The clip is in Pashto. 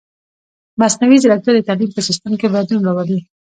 مصنوعي ځیرکتیا د تعلیم په سیستم کې بدلون راولي.